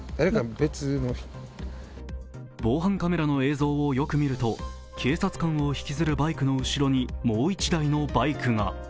防犯カメラの映像をよく見ると警察官を引きずるバイクの後ろにもう一台のバイクが。